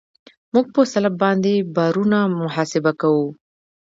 موږ په سلب باندې بارونه محاسبه کوو